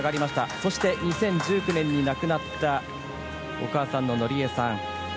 そして２０１９年に亡くなったお母さんの紀江さん